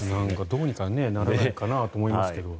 どうにかならないかなと思いますけど。